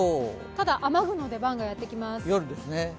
ただ、雨具の出番がやってきます。